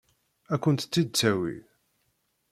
Ad kent-t-id-tawi?